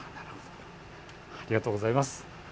ありがとうございます。